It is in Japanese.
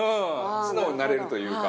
素直になれるというか。